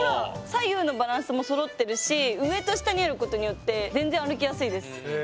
左右のバランスもそろってるし上と下にあることによってへえ。